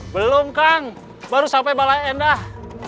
belum kang baru sampai balai endah